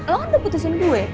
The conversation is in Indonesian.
lo kan udah putusin duet